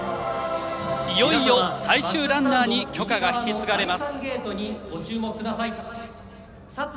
いよいよ最終ランナーに炬火が引き継がれます。